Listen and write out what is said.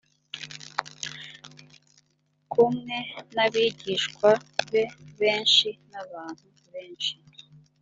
kumwe n’abigishwa be benshi n’abantu benshi